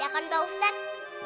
ya kan pak ustadz